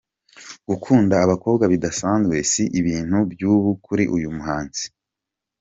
Gukunda abakobwa bidasanzwe si ibintu by’ubu kuri uyu muhanzi.